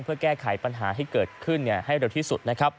เพื่อแก้ไขปัญหาที่เกิดขึ้นให้เร็วที่สุด